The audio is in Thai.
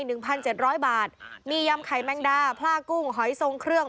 หนึ่งพันเจ็ดร้อยบาทมียำไข่แมงดาผ้ากุ้งหอยทรงเครื่อง